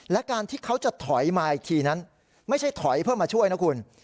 และการที่เขาจะถอยมาอีกทีนั้นไม่ใช่ถอยเพื่อมาช่วยนะคุณ